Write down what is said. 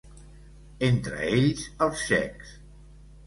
Entre ells els txecs.